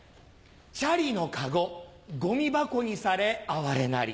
チャリのかごゴミ箱にされ哀れなり。